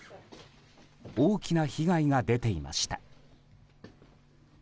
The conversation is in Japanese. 大きな被害が出ていました。